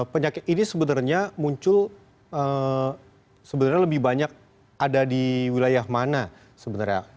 penyakit ini sebenarnya muncul sebenarnya lebih banyak ada di wilayah mana sebenarnya